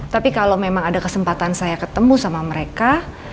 tapi kalau memang ada kesempatan saya ketemu sama mereka